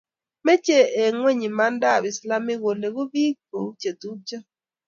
Mechei eng' kwekeny imandat islamik koleku biik kou che tupcho